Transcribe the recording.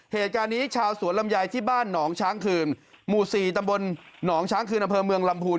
เหตุการณ์นี้ชาวสวนลำไยที่บ้านหนองช้างคืนหมู่๔ตำบลหนองช้างคืนอำเภอเมืองลำพูน